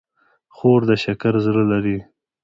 خور د شکر زړه لري.